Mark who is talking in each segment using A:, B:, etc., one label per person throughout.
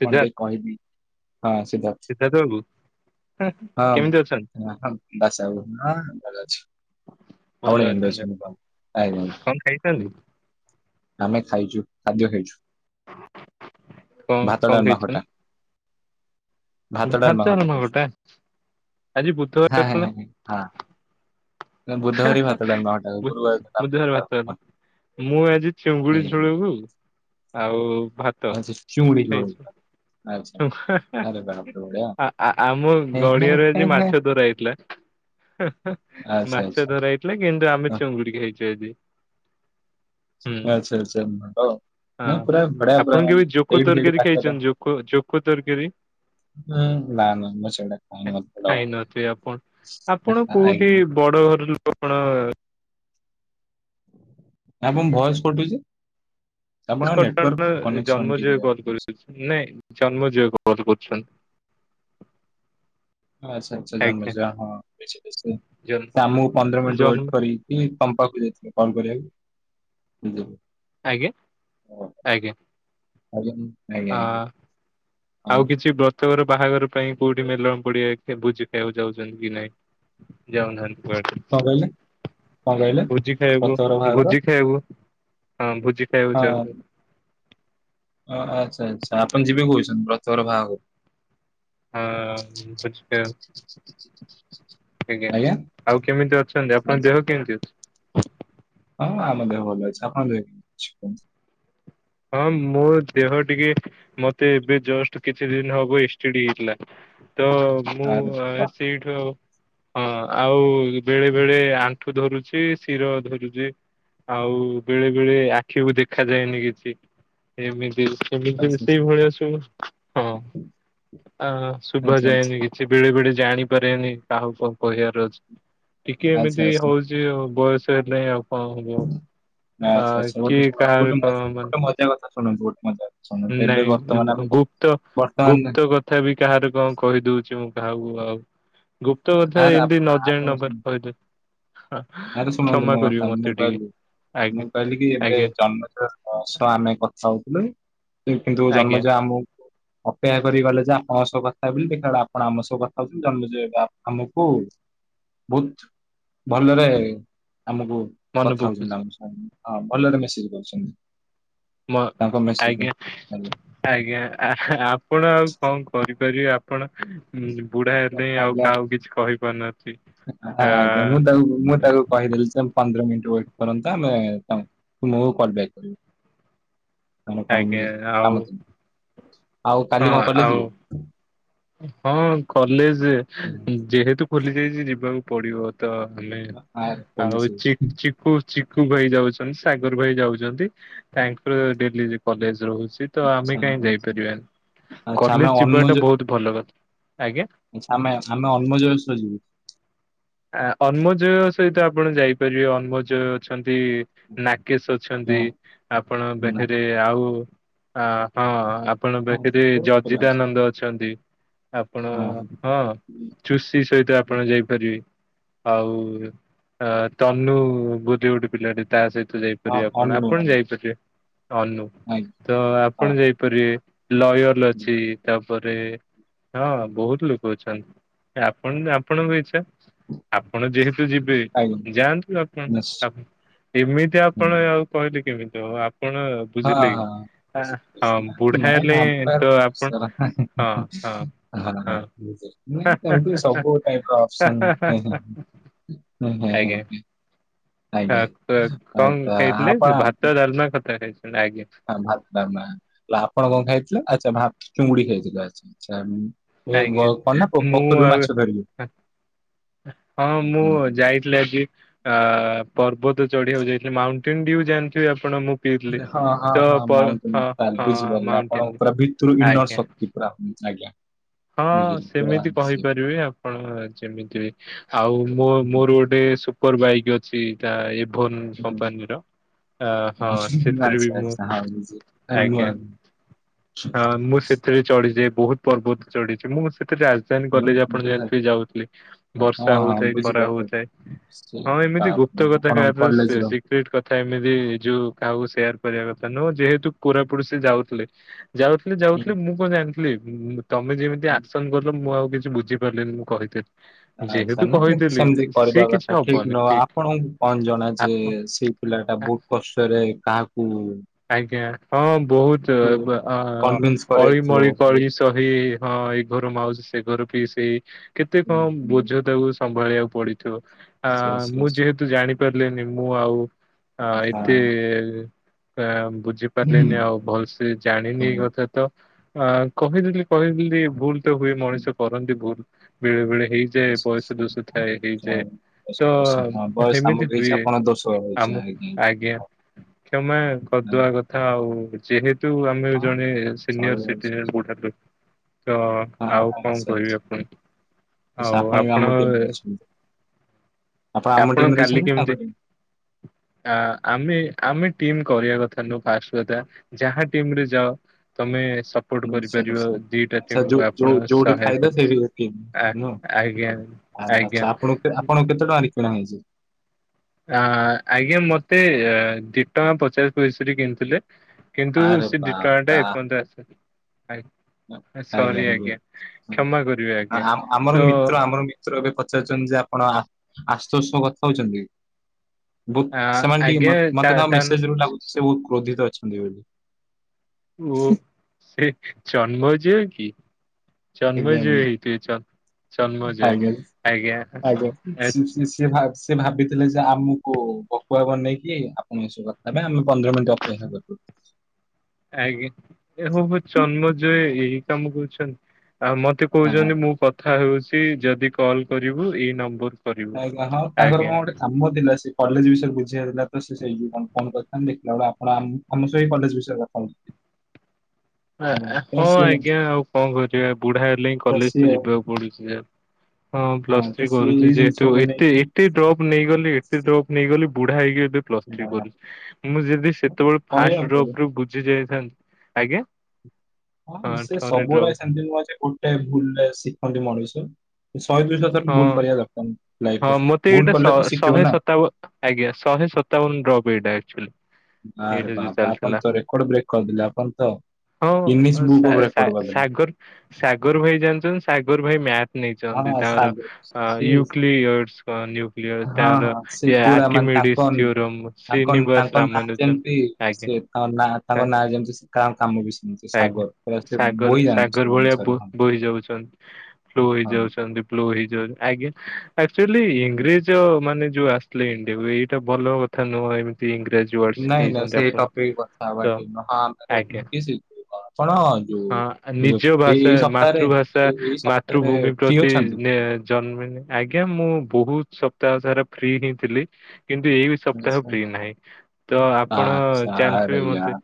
A: ପଣ୍ଡେ କହିବି ହଁ ସିଦ୍ଧାର୍ଥ।
B: କେମିତି ଅଛନ୍ତି?
A: ହଁଁ ବାସବୁ ହଁ ଭଲ ଅଛି।
B: ଭଲ ଅଛନ୍ତି ଆଉ।
A: [unintelligible]
B: [unintelligible]
A: ଆମେ ଖାଇଚୁ ଖାଦ୍ୟ ଖାଇଛୁ। ଭାତ
B: କଣ-କଣ
A: ଡାଲମା ଖଟା
B: ଖାଇଚନ୍ତି?
A: ଭାତ, ଡାଲମା, ଖଟା ଖାଇଛୁ।
B: ଆଜି ବୁଧବାର ଥିଲା
A: ହଁ ବୁଧବାରେ ଭାତ ଡାଲମା
B: [unintelligible]
A: ଖଟା ଗୁରୁବାର ଦିନ ଆମେ ଖାଉ ମଟନ।
B: ମୁଁ ଆଜି ଚିଙ୍ଗୁଡି
A: ଆଜ୍ଞା ଆଜ୍ଞା।
B: ଝୁଳକୁ ଆଉ ଭା
A: ଆଚ୍ଛା ଚୁଙ୍ଗୁଡ଼ି ଝୋଳ ହେଇଥିଲା।
B: ଆ-ଆ-ଆମ
A: ହେଁ ହେଁ
B: ଗଡିଆରେ
A: ହେଁ
B: ଆଜି
A: ହେଁ
B: ମାଛ ଧରା ହେଇଥିଲା।
A: ଆଚ୍ଛା
B: ହେ-ହେ-ମାଛ
A: ଆଚ୍ଛା
B: ଧରା ହେଇଥିଲା କିନ୍ତୁ ଆମେ
A: ହଁ,
B: ଚୁଙ୍ଗୁଡି ଖଇଛୁ ଆଜି। ହୁଁ
A: ଆଛା-ଆଚ୍ଛା
B: ହଁ
A: [unintelligible] ପୁରା ବଢିଆ
B: ଆପଣ
A: ପୁରା
B: କେବେ
A: ମନେ
B: ଜୋକ
A: ସେଇଠି ସେଇଠି
B: ତରକାରୀ
A: ପାଖରେ
B: [unintelligible] ତରକାରୀ।
A: ନା ନା ମୁଁ ସେଗୁଡ଼ା ଖାଇନି ମତେ ସେଇଟା ଭଲ
B: ଖାଇନଥିବେ ଆପଣ, ଆପଣ
A: ଲାଗେନି।
B: କୋଉଠି
A: ଆଜ୍ଞା।
B: ବଡ଼ ଘର ଲୋକ କଣ
A: ଆପଣଙ୍କ ଭଏସ୍ କଟୁଛି। ଆପଣଙ୍କ
B: [unintelligible]
A: ନେଟୱାର୍କ
B: ନାଇଁ
A: କନେକ୍ସନ
B: ଜନ୍ମଜୟ
A: ଟିକେ
B: କଲ୍
A: ଆଚ୍ଛା
B: କରୁଛନ୍ତି।
A: ଆଚ୍ଛା-ଆଚ୍ଛା
B: ଆଜ୍ଞା।
A: ଜନ୍ମଜୟ ହଁ ସେ
B: ଜନ୍ମ
A: ଆମକୁ ପନ୍ଦର ମିନିଟ୍
B: ଜନ୍ମ
A: ୱେଟ୍ କରି ତମ୍ପାକୁ ଯାଇଥିଲେ କଲ୍ କରିବାକୁ। ଓହୋ।
B: ଆଜ୍ଞା-ଆଜ୍ଞା।
A: [unintelligible]
B: ହାଁ
A: ହଁ
B: ଆଉକିଛି ବ୍ର ତଘର ବାହାଘର ପାଇଁ କୋଉଠି ମେଲଣ ପୋଡିଆ ଭୋଜି ଖାଇବାକୁ ଯାଉଚନ୍ତି କି ନାଇଁ ଯାଉନାହାନ୍ତି?
A: କଣ କହିଲେ କଣ କହିଲେ
B: ଭୋଜି
A: ବ୍ରତଘର
B: ଖାଇବଆକୁ
A: ବାହାଘର
B: ଭୋଜି ଖାଇଆକୁ ହଁ ଭୋଜି ଖାଇବାକୁ ଯାଉ।
A: ଓ ଆଚ୍ଛା-ଆଚ୍ଛା ଆପଣ ଯିବେ କହୁଚନ୍ତି ବ୍ରତଘର ବାହାଘରକୁ?
B: ହଁ ଭୋଜି ଖାଇବାକୁ। ଆଜ୍ଞା ଆଉ କେମିତି ଅଛନ୍ତି ଆପଣଙ୍କ
A: ଆଚ୍ଛା
B: ଦେହ କେମିତି ଅଛି?
A: ହଁ ଆମ ଦେହ ଭଲ ଅଛି ଆପଣଙ୍କ ଦେହ କେମିତି ଅଛି କୁହନ୍ତୁ?
B: ହଁ ମୋ ଦେହ ଟିକେ ମତେ ଏବେ ଜଷ୍ଟ କିଛି ଦିନ ହବ ଏସ୍ ଟି ଡି ହେଇଥିଲା ତ ମୁଁ
A: ଆରେ ବାଃ
B: ସେଇଠୁ ହଁ ଆଉ ବେଳେବେଳେ ଆଣ୍ଠୁ ଧରୁଛି ଶିର ଧରୁଚି ଆଉ ବେଳେବେଳେ ଆଖିକୁ ଦେଖାଯାଏନି କିଛି। ଏମିତି ସେମିତି
A: ଆଚ୍ଛା
B: ସେଇଭଳିଆ ସବୁ। ହଁ ଆ ଶୁଭା
A: ଆଚ୍ଛା
B: ଯାଏନି ବି। ସେ ବେଳେବେଳେ ଜାଣିପାରେନି କାହାକୁ କଣ କହିବାର ଅଛି ଟିକେ
A: ଆଚ୍ଛା
B: ଏମିତି
A: ଆଚ୍ଛା
B: ହଉଛି। ଯିଏ ହଉ ବୟସ ହେଲେ ଆଉ କଣ ହେବ, ଆ କିଏ କାହାର କଣ ମାନେ
A: ସିଧା କଥା ଶୁଣନ୍ତୁ ଗୋଟେ [unintelligible] ଏବେ ବର୍ତ୍ତମାନ
B: ନାଇଁ
A: ଆମେ ବର୍ତ୍ତମାନ
B: ଗୁପ୍ତ-ଗୁପ୍ତ ଗ ତଥାପି କାହାର କଣ କହିଦଉଛି ମୁଁ କାହାକୁ ଆଉ। ଗୁପ୍ତ କଥା
A: ଆରେ
B: ଏମିତି
A: ଆପ-
B: ନଅ ଜାଣି
A: ଆପଣ
B: ନ
A: ଶୁଣ-
B: ପାରି କହିଦେଉଚି।
A: ଆରେ ଶୁଣନ୍ତୁ ମୋ କଥା
B: ମତେ
A: ମୁଁ
B: ଟିକେ
A: କହିଲି
B: ଆଜ୍ଞା
A: ମୁଁ କହିଲି କି ଏବେ
B: ଆଜ୍ଞା।
A: ଜନ୍ମ ସହ ଆମେ କଥା ହଉଥିଲୁ କିନ୍ତୁ
B: ଆଜ୍ଞା
A: ଜନ୍ମଜୟ ଆମକୁ ଅପେକ୍ଷା କରି ଗଲେ ଯେ ଆପଣଙ୍କ ସହ କଥା ହେବେ ବୋଲି, ଦେଖିଲା ବେଳକୁ ଆପଣ ଆମ ସହ କଥା ହଉଚନ୍ତି ଜନ୍ମଜୟ ଆମକୁ ବହୁତ୍ ଭଲରେ ଆମକୁ
B: ମନେ
A: କଥା ହେଉଚନ୍ତି
B: ପକଉଛି
A: ଆମ ସହ ଭଲରେ ମେସେଜ୍ କରୁଛନ୍ତି।
B: ମ
A: ତାଙ୍କ ମେସେଜ
B: ଆଜ୍ଞା-ଆଜ୍ଞା ଆପଣ ଆଉ କଣ କରିପାରିବେ ଆପଣ ବୁଢା ହେଲେଇଁ ଆଉ କାହାକୁ କିଛି କହିପାରୁନାହାନ୍ତି।
A: ହ
B: ଆ
A: ଆଜ୍ଞା ମୁଁ ତାକୁ ମୁଁ ତାକୁ କହିଦେଲି ସେ ପନ୍ଦର ମିନିଟ୍ ୱେଟ୍ କରନ୍ତା ଆମେ ମୁଁ କଲ୍ ବ୍ୟାକ୍ କରିବି। କଣ କାମ
B: ଆଜ୍ଞା ଆଉ
A: ଥିବ, ଆଉ
B: ହଁ
A: କାଲି କଣ କଲେଜ୍
B: ଆଉ
A: ଯିବେ?
B: ହଁ କଲେଜ୍ ଯେହେତୁ ଖୋଲି ଯାଇଛି ଯିବାକୁ ପଡ଼ିବ। ତ ଆମେ
A: ଆ
B: ଆଉ
A: କଲେଜ
B: [unintelligible] ଚିକୁ ଚିକୁ ଭାଇ ଯାଉଛନ୍ତି ସାଗର ଭାଇ ଯାଉଛନ୍ତି ତାଙ୍କର ଡେଲି କଲେଜ ରହୁଛି। ତ ଆମେ କାହିଁ
A: ଆଚ୍ଛା
B: ଯାଇପାରିବାନି
A: ଆଚ୍ଛା ଆମେ
B: କଲେଜ୍ ଯିବା ଟା
A: ଅନମୋଜ
B: ବହୁତ୍ ଭଲ କଥା ଆଜ୍ଞା।
A: ଆମେ ଆମେ [unintelligible]
B: ଆ ଅନ୍ମଜୟ ସହିତ ଆପଣ ଯାଇପାରିବେ ଅନ୍ମଜୟ ଅଛନ୍ତି ନାକେଶ୍ ଅ ଅଛନ୍ତି
A: ଏମିତି
B: ଆପଣଙ୍କ ପାଖରେ ଆଉ ଆ ହଁ। ଆପଣଙ୍କ ପାଖରେ ଜଜିତାନନ୍ଦ ଅଛନ୍ତି ଆପଣ ହଁ। ଚୁସି ସହିତ ଆପଣ ଯାଇପାରିବେ। ଆଉ ଅ ତନୁ ବୋଲି ଗୋଟେ ପିଲାଟେ ତା ସହିତ ତ ଯାଇପାରିବେ ଆପଣ ଆପଣ ଯାଇପାରିବେ ଅନୁ
A: ଆ
B: ତ ଆପଣ ଯାଇପାରିବେ ଲୟଲ ଅଛି ତ ତାପରେ ହଁ ବହୁତ୍ ଲୋକ ଅଛନ୍ତି ଆପଣ ଆପଣଙ୍କ ଇଚ୍ଛା। ଆପଣ ଯେହେତୁ ଯିବେ ଯାଆନ୍ତୁ ଆପଣ ଏମିତି ଆପଣ ଆଉ କହିଲେ କେମିତି ହବ ଆପଣ
A: ହଁ
B: ବୁଝିଲେ କି?
A: ହଁ।
B: ହଁ ବୁଢା
A: ନାଇଁ
B: ହେଲେ ତ ଆପଣ
A: [unintelligible] ହଁ ହଁ। ନାଇଁ ଏମିତି ସବୁ ଟାଇପ୍ ର ଅଛନ୍ତି
B: ଆଜ୍ଞା
A: [unintelligible]
B: [unintelligible] କଣ ଖାଇଥିଲେ
A: ଆପଣ
B: ଭାତ ଡ଼ାଲମା [unintelligible] ଆଜ୍ଞା।
A: [unintelligible] ଆପଣ କଣ ଖାଇଥିଲେ ଆଚ୍ଛା ଭାତ ଚୁଙ୍ଗୁଡି଼ ଖାଇଥିଲେ ଆଚ୍ଛା ଆଚ୍ଛା। ଏ
B: ଆଜ୍ଞା।
A: କଣ ନା ପୋ
B: ମୁଁ
A: ପୋଖରୀ ରୁ
B: ଆଉ
A: ମାଛ ଧରିବେ।
B: ହଁ ମୁଁ
A: ହୁଁ
B: ଯାଇ [unintelligible] ଆ ପର୍ବତ ଚଢ଼ିବାକୁ ଯାଇଥିଲି ମାଉଣ୍ଟେନ୍ ଡିଉ ଜାଣିଥିବେ ଆପଣ ପିଇଥିଲି।
A: ହଁ ହଁ
B: ତ
A: ହଁ
B: ହଁ
A: ମାଉଣ୍ଟେନ୍ ବୁଝିପାରିଲେ
B: ମାଉଣ୍ଟେନ
A: ଆପଣଙ୍କ ପୁରା ଭିତରୁ
B: ଆଜ୍ଞା।
A: [unintelligible] ଶକ୍ତି [unintelligible] ଆଜ୍ଞା।
B: ହଁ
A: ବୁଝିଲି ପୁରା
B: ସେମିତି
A: ସେ
B: କହିପାରିବେ ଆପଣ ଯେମିତି ଆଉ ମୁଁ ମୋର ଗୋ ଗୋଟେ ସୁପର ବାଇକ୍ ଅଛି ତା ଇଭୋନ୍ କମ୍ପାନୀର। ଆ ହଁ
A: ହୁଁ
B: ସେଥିରେ
A: ଆଚ୍ଛା
B: ବି ମୁଁ
A: ଆଚ୍ଛା ହଁ ବୁଝି ନୂଆ
B: ଆଜ୍ଞା। ହଁ ମୁଁ ସେଥିରେ ଚଢ଼ିଛି ବହୁତ ପର୍ବତ ଚଢ଼ଛି ମୁଁ ସେଥିରେ ଆ [unintelligible]
A: ହୁଁ
B: କଲେଜ୍ ଆପଣ
A: ବୁଝା
B: ଯେମିତି ଯାଉଥିଲେ
A: ହଁ
B: ବର୍ଷା
A: ହଁ
B: ହଉଥାଏ ଖରା
A: ବୁଝିପାରୁଚି।
B: ହଉଥାଏ।
A: ସେ
B: ହଁ
A: ଆ
B: ଏମିତି ଗୁପ୍ତ କଥା
A: ଆପଣଙ୍କ
B: କାହା
A: କଲେଜର
B: [unintelligible] [unintelligible] କଥା ଏମିତି ଯୋଉ କାହାକୁ ସେୟାର କରିବା କଥା ନୁହଁ ଯେହେତୁ କୋରାପୁଟ ସେ ଯାଉଥିଲେ ଯାଉ
A: ହୁଁ
B: ଯାଉଥିଲେ ମୁଁ କଣ ଜାଣିଥିଲି ତମେ ଯେମିତି ଆକ୍ସନ କଲ ମୁଁ ଆଉ କିଛି ବୁଝିପାରିଲିନି ମୁଁ କହି
A: ଆଚ୍ଛା ନା କିନ୍ତୁ ସେମିତି କରିବା
B: କିଛି
A: କଥା ଠିକ୍
B: ହବନି
A: ନୁହଁ
B: କି
A: ଆପଣଙ୍କୁ କଣ ଜଣା ଯେ
B: ଆପ
A: ସେ ପିଲା ଟା
B: ଆ
A: ବହୁତ୍ କଷ୍ଟରେ କାହାକୁ
B: ଆଜ୍ଞା ହଁ ବହୁତ୍ ଅ
A: କନଭିନ୍ସ
B: ଅଳି
A: କରେଇଥିବ
B: ମଳି
A: ବହୁତ
B: [unintelligible] ତହି ହଁ ଏ ଘର ମାଉସୀ ସେ ଘର ପିଇସୀ କେତେ କଣ ବୋଝ [unintelligible] ସମ୍ଭାଳିବାକୁ ପଡି଼ଥିବ ଆ
A: ସେସ୍
B: ମୁଁ
A: ସେସ୍
B: ଯେହେତୁ ଜାଣି ପାରିଲିନି ମୁଁ ଆଉ ଆ ଏତେ ବୁଝିପାରିଲିନି ଆଉ ଭଲସେ ଜାଣିନି ଏଇ କଥା ତ ଅ କହିଦେଲି କହିଦେଲି ଭୁଲ୍ ତ ହୁଏ ମଣିଷ କରନ୍ତି ଭୁଲ୍ ବେଳେ ବେଳେ ଏଇ ଯେ ବୟସ ଦୋଷ ଥାଏ ହେଇଯାଏ ତ
A: ହଁ ବୟସ ଆମ
B: ଏମିତି
A: ହେଇଛି
B: ହୁଏ
A: ଆପଣ ଦୋଷ ହେଇଛି
B: ଆମକୁ ଆଜ୍ଞା କ୍ଷମା
A: ଆଜ୍ଞା।
B: କରିଦେବା କଥା ଆଉ ଯେହେ ତୁ ଆମେ
A: ହଁ
B: ଜଣେ ସିନିୟର
A: ଚଳିବ ଅଛି
B: ସିଟିଜେନ୍ [unintelligible] ତ
A: ହଁ
B: ଆଉ କଣ
A: ଆଚ୍ଛା
B: କରିବି
A: ଆଚ୍ଛା।
B: ଆପଣ ଆଉ
A: ବି
B: ଆପଣ
A: ଆମ ଟିମରେ ଅଛନ୍ତି ଆମ
B: ଆପଣ
A: ଟିମରେ
B: କାଲି
A: ଅଛନ୍ତି ନା ତାଙ୍କ
B: କେମିତି
A: ଟିମ୍
B: ଆ ଆମେ ଆମେ ଟିମ୍ କରିବା କଥା ନୁହଁ ଫାଷ୍ଟ୍ କଥା ଯାହା ଟିମ୍ ରେ ଯାଅ ତମେ ସ
A: ଆଚ୍ଛା ଆଚ୍ଛା
B: କରିପାରିବ ଦିଟା
A: ଆଚ୍ଛା
B: ଟିକୁ
A: ଯୋଉ ଯୋଉ
B: ଆପଣ
A: ଯୋଉଠି
B: ସହାୟ
A: ଖାଇଲ
B: କରି
A: ସେଇଠି କି ନୁହଁ
B: ଆଜ୍ଞା
A: ଆ
B: ଆଜ୍ଞା।
A: ଆଚ୍ଛା ଆପଣ ଆପଣ କେତେ ଟଙ୍କାରେ କିଣା ହେଇଛି
B: ଆ ଆଜ୍ଞା ମୋତେ ଦି ଟଙ୍କା ପଚାଶ ପଇସାରେ କିଣିଥିଲେ କିନ୍ତୁ
A: ଆରେ
B: ସେ ଦି ଟଙ୍କାଟା
A: ବାପା
B: ଏପର୍ଯ୍ୟନ୍ତ ଆସିନି ଆଜ୍ଞା
A: ଆଜ୍ଞା
B: କ୍ଷମା କରିବେ ଆଜ୍ଞା।
A: ଆଜ୍ଞା
B: ତ
A: ଆମର ମିତ୍ର ଆମର ସାର୍ ଏବେ ପଚାରୁଛନ୍ତି ଯେ ଆପଣ ଆଶୁତୋଷ ସହ କଥା ହଉଛନ୍ତି ବହୁ
B: ଆ
A: ସେମାନେ ଟିକେେ
B: ଆଜ୍ଞା ତା
A: ମୋତେ ତାଙ୍କ
B: ତା ନା
A: ମେସେଜ ଲାଗୁଛି ସେ ବହୁତ କ୍ରୋଧିତ ଅଛନ୍ତି ବୋଲି
B: ଓ ସେ ଜନ୍ମଜୟ କି
A: ଆଜ୍ଞା
B: ଜନ୍ମଜୟ
A: ଆଜ୍ଞା
B: ହୋଇଥିବେ ଜ ଜନ୍ମଜୟ
A: ଆଜ୍ଞା
B: ଆଜ୍ଞା
A: ଆଞ
B: ଆଚ୍ଛା,
A: [unintelligible] ସେ ଭାବିଥିଲେ ଯେ ଆମକୁ ଭକୁଆ ବନେଇକି ଆପଣ ଏସବୁ କଥା ପାଇଁ ଆମେ ପନ୍ଦର ମିନିଟ୍ ଅପେକ୍ଷା କରୁ
B: ଆଜ୍ଞା ହବ ଜନ୍ମଜୟ ଏଇ କାମ କରୁଛନ୍ତି ଆ ମୋତେ କହୁଛନ୍ତି ମୁଁ କଥା ହେଉଛି ଯଦି କଲ୍ କରିବୁ ଏଇ ନମ୍ବର କରିବୁ।
A: ହଁ ଆଜ୍ଞା ତାଙ୍କର କଣ ଗୋଟେ କାମ ଥିଲା ସେ କଲେଜ ବିଷୟରେ ବୁଝିବାର ଥିଲାତ ସେଇଥି ପାଇଁ ଫୋନ ଫାନ କରିଥାନ୍ତେ ଆପଣ ଆମ ସେଇ କଲେଜ ବିଷୟରେ- ହୁଁ,
B: ହଁ
A: ତ ସିଏ
B: ଆଜ୍ଞା ଆଉ କଣ କରିବା ବୁଢା ହେଲେ ହିଁ କଲେଜ ତ ଯିବାକୁ ପଡୁଛି ଯେ ହଁ ପ୍ଲସ୍
A: ତ
B: ଥ୍ରୀ
A: ସିଏ
B: କରୁଛି
A: ଏଇ
B: ଯେହେତୁ
A: ଜିନିଷକୁ
B: ଏତେ
A: ନେଇକି
B: ଏତେ ଡ୍ରପ ନେଇଗଲି ଏତେ ଡ୍ରପ ନେଇଗଲି ବୁଢା ହେଇଗଲି ପ୍ଲସ ଥ୍ରି
A: ହଁ,
B: କରୁଛି ମୁଁ ଯଦି ସେତେବେଳେ ଫାଷ୍ଟ
A: କରିବାକୁ ପଡିବ।
B: ଡ୍ରପରେ ବୁଝି ଯାଇଥାନ୍ତି ଆଜ୍ଞା
A: ହଁ ସେ
B: ଥରେ
A: ସବୁୁର
B: ଡ୍ରପ୍
A: ସେତି ନୁହଁ ଯେ ଗୋଟେ ଭୁଲରେ ଶିଖନ୍ତି ମଣିଷ ଶହେ ଦୁଇଶହ
B: ହଁ
A: ଭୁଲ କରିବା ଦରକାର ଲାଇଫ
B: ହଁ
A: ରେ
B: ମତେ ଏଇଟା
A: ଭୁଲ
B: ଶ
A: କଲେ ତ ଶିଖିବ
B: ଶହେ
A: ନା।
B: ସତାବନ ଆଜ୍ଞା ଶହେ ସତାବନ ଡ୍ରପ୍ ଏଇଟା ଆକଚୁଲି
A: ଆରେ ବାପପଣ ତ ରେକୋର୍ଡ ବ୍ରେକ କରିଦଲେ ଆପଣ ତ।
B: ହଁ
A: ଗିନିସ୍
B: ସା
A: ବୁକ୍ ଅଫ୍
B: ସା
A: ରେକର୍ଡ ବୋଧେ
B: ସାଗର ସାଗର ଭାଇ ଜାଣିଛନ୍ତି ସାଗର ଭାଇ ମ୍ୟାଚ ନେଇଛନ୍ତି
A: ହଁ
B: ତାଙ୍କର
A: ସାଗ୍
B: ହଁ -
A: ସିଏ
B: ନ୍ୟୁୟରସ
A: ହଁ ହଁ ସେ
B: ର୍ନ୍ୟୁକ୍ଲିୟର୍
A: ପୁରା ମାନେ
B: ଆର୍କିମେଡିସ୍
A: ତାଙ୍କ
B: ଥିଓରମ୍
A: ତାଙ୍କ
B: ଶ୍ରୀନିବାସ
A: ତାଙ୍କ ନାଁ
B: ରାମାନୁଜନ
A: ଯେମିତି
B: ଆଜ୍ଞା
A: ସେ ତାଙ୍କ ନା ତାଙ୍କ ନାଁ
B: ଆ-
A: ଯେମତି ସେ କା କାମ ବି ସେମତି
B: ଆଜ୍ଞା।
A: ସାଗର। ପୁରା ସେ
B: ସାଗର
A: ବୋହି ଯାଆନ୍ତି ସେ
B: ସାଗର ଭଳିଆ
A: ଜିନିଷରେ ହଁ।
B: ବୋହି ଯାଉଛନ୍ତି। ବ୍ଲୁ
A: ହଁ।
B: ହେଇଯାଉଛନ୍ତି ବ୍ଲୁ ହେଇଯାଉ ଆଜ୍ଞା। ଆକଚୁଲି ଇଂରେଜ ମାନେ ଯୋଉ ଆସିଥିଲେ ଇଣ୍ଡିଆକୁ ଏଇଟା ଭଲ କଥା ନୁହଁ ଏମିତି ଇଂରେଜ।
A: ନାଇଁ ନାଇଁ ସେଇ ଟପିକ କଥା ହବା ଠିକ୍ ନୁହଁ ହଁ ଆମେ
B: ଆଜ୍ଞା
A: କି [unintelligible] ଆପଣ। ଯୋଉ
B: ହଁ
A: ଯୋଉ
B: ନିଜ
A: ଏଇ
B: ଭାଷା
A: ଏଇ ସପ୍ତାହରେ
B: ମାତୃଭାଷା
A: ଏଇ ଏଇ ସପ୍ତାହରେ
B: ମାତୃଭୂମି
A: ଫ୍ରି
B: ପ୍ରତି।
A: ଅଛନ୍ତି?
B: ଜନ୍ମିନି ଆଜ୍ଞା ମୁଁ ବହୁତ ସପ୍ତାହ ସାରା ଫ୍ରି ହେଇଥିଲି କିନ୍ତୁ ଏଇ। ସପ୍ତାହ
A: ଆଚ୍ଛା
B: ଫ୍ରି ନାହିଁ ତ ଆପଣ
A: ଆଚ୍ଛା, ଆରେ
B: ଜାଣିଥିବେ ମୋତେ।
A: ୟାର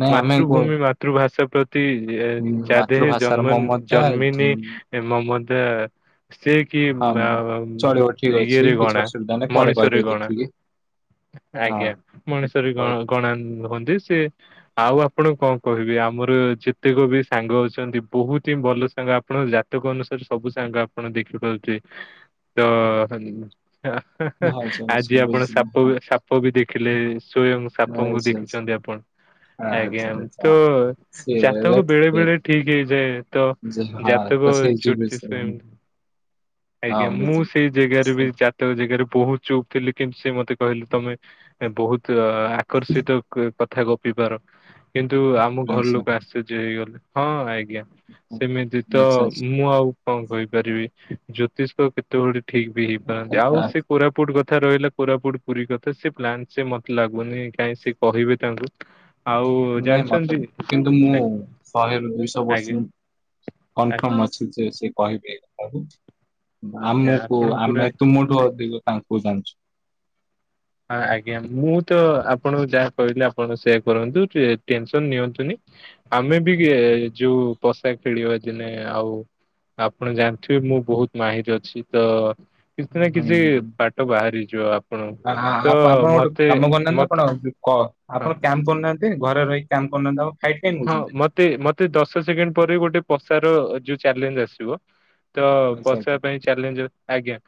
A: ନାଇଁ ଆମେ କୁହ
B: ମାତୃଭୂମି ମାତୃ ଭାଷା ପ୍ରତି ଯାଦେହେ
A: ମାତୃଭାଷାର
B: ଜନ୍ମ
A: ମମତା
B: ଜନ୍ମିନି
A: ଯେ-
B: ମମତା ସେ କି
A: ହଁ ଚଳିବ ଠିକ ଅଛି
B: ଇଏରେ
A: କିଛି
B: ଗଣା
A: ଅସୁବିଧା ନାହିଁ ପରେ
B: ମଣିଷରେ
A: କହିଦେବେ
B: ଗଣା।
A: ଦେଖିକି ହଁ।
B: ଆଜ୍ଞା ମଣିଷ ବି
A: କହି
B: ଗଣା ହୁଅନ୍ତି ସି ଆଉ ଆପଣ କଣ। କହିବି ଆମର ଯେତକ ବି ସାଙ୍ଗ ଅଛନ୍ତି ବହୁତ ହିଁ ଭଲ ସାଙ୍ଗ ଆପଣ ଯା ଦେଖନ୍ତୁ ସେ ସବୁ ସବୁ ସାଙ୍ଗ ଆପଣ ଦେଖିପାରୁଥିବେ ତ। ହେଁ ହେଁ
A: ବୁଝିଲି ହଁ। ଆଚ୍ଛା
B: ଆଜି
A: ଆଚ୍ଛା
B: ଆପଣ ସାପ
A: ବୁଝିଲି।
B: ସାପ ବି ଦେଖିଲେ ସ୍ଵୟଂ। ସାପଙ୍କୁ ଦେଖିଛନ୍ତି ଆପଣ ଆଜ୍ଞା ତ। ଜାତକ ବେଳେ ବେଳେ ଠିକ ହେଇଯାଏ ତ ଜାତକ ଚୋଟି ଏମିତି। ଆଜ୍ଞା ମୁଁ ସେଇ ଜାଗାରୁ ବି। ତ ଜାଗାରେ ବହୁତ ଚୁପ୍ ଥିଲେ କିନ୍ତୁ ସେ ମୋତେ କହିଲେ ତମେ ବହୁତ ଆକର୍ଷିତ। କଥା ଗପି ପାର କିନ୍ତୁ ଆମ ଘର ଲୋକ ଆଶ୍ଚର୍ଯ୍ୟ ହେଇଗଲେ ହଁ ଆଜ୍ଞା। ସେମିତି ତ ମୁଁ ଆଉ କଣ କହିପାରିବି ଜ୍ୟୋତିଷ। କେତେବେଳି ଠିକ ବି ହେଇ ପାରନ୍ତି ଆଉ ସେ। କୋରାପୁଟ କଥା ରହିଲା କୋରାପୁଟ ପୁରୀ କଥା ସେ ପ୍ଲାନ୍ ସେ ମୋତେ ଲାଗୁନି କାହିଁ ସେ କହିବେ ତାଙ୍କୁ। ଆଉ
A: ନାଇଁ ମୋତେ
B: ଜାଣିଛନ୍ତି ଆଜ୍ଞା
A: କିନ୍ତୁ ମୁଁ ଶହେ ରୁ ଦୁଇଶହ
B: ଆଜ୍ଞା
A: ବର୍ଷ। କନଫର୍ମ ଅଛି। ସେ କହିବେ
B: ଆଜ୍ଞା
A: ଆମକୁ
B: ଆପଣ ପୁରା
A: ଆମେ ତୁମଠୁ ଅଧିକ। ତାଙ୍କୁ ଜାଣିଛୁ।
B: ହଁ ଆଜ୍ଞା ମୁଁ ତ ଆପଣଙ୍କୁ ଯାହା କହିଲି ଆପଣ ସେୟ କରନ୍ତୁ ଟେନସନ ନିଅନ୍ତୁନି ଆମେ ବି ଯୋଉ ପୋଷା ଖେଳିବା ଦିନେ ଆଉ ଆପଣ ଜାଣିଥିବେ ମୁଁ ବହୁତ ମାହିର ଅଛି ତ କିଛି ନା
A: ହୁଁ
B: କିଛି ବାଟ ବାହାରିଯିବ ଆପଣକୁ।
A: ହଁ ଆପଣ ଗୋଟେ କାମ କରୁନାହାନ୍ତି ଆପଣ ଆଉ କହ
B: ହଁ
A: ଆପଣ କାମ୍ କରୁନାହାନ୍ତି, ଘରେ ରହିି କାମ୍ କରୁନାହାନ୍ତି ଆଉ।
B: ହଁ ମତେ ମତେ ଦଶ ସେକେଣ୍ଡ ପରେ ଗୋଟେ ପସାର ଯୋଉ ଚ୍ୟାଲେଞ୍ଜ ଆସିବ। ତ
A: ଆଚ୍ଛା ଆଚ୍ଛା
B: ପଶିବା ପାଇଁ ଚ୍ୟାଲେଞ୍ଜ ଆଜ୍ଞା।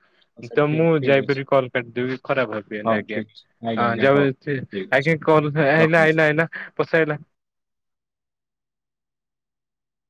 A: ଆଚ୍ଛା
B: ତ
A: ଠିକ
B: ମୁଁ
A: ଠିକ
B: ଯାଇ
A: ଅଛି।
B: ପାରିବି କଲ୍ କରିଦେବି ଖରାପ ହବିନି
A: ହଉ
B: ଆଜ୍ଞା।
A: ଠିକ୍ ଅଛି
B: ଅ
A: ଆଜ୍ଞା ଆଜ୍ଞା
B: ଯାଉ
A: ହଉ
B: ଆଜି,
A: ଠିକ୍ ଅଛି
B: ଆଜ୍ଞା କଲ ଆଇଲା
A: ରଖନ୍ତୁ
B: ଆଇଲା ଆଇଲା ପସେଇଲା ହେଲା।